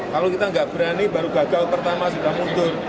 kalau kita nggak berani baru gagal pertama sudah mundur